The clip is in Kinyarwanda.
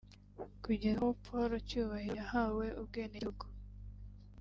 kugeza aho Paul Cyubahiro yahawe ubwenegegihugu